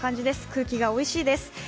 空気がおいしいです。